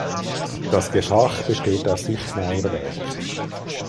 Das Gefach besteht aus Sichtmauerwerk.